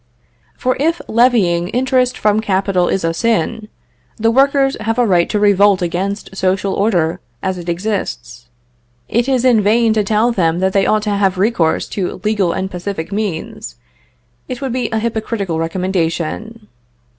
For if levying interest from capital is a sin, the workers have a right to revolt against social order, as it exists; it is in vain to tell them that they ought to have recourse to legal and pacific means, it would be a hypocritical recommendation.